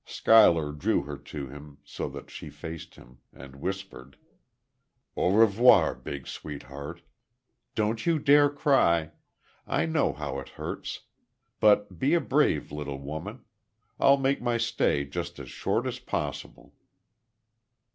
Schuyler drew her to him, so that she faced him, and whispered: "Au revoir, big sweetheart.... Don't you dare to cry.... I know how it hurts; but be a brave little woman.... I'll make my stay just as short as possible."